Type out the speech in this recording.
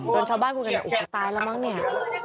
ร้านชาวบ้านกลุ่มคุยกันโอ้โหตายแล้วมั้งเนี่ย